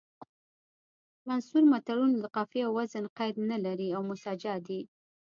منثور متلونه د قافیې او وزن قید نه لري او مسجع دي